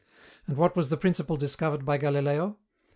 And what was the principle discovered by Galileo?